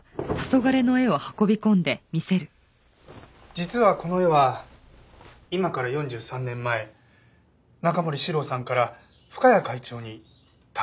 実はこの絵は今から４３年前中森司郎さんから深谷会長に託されたものだったんです。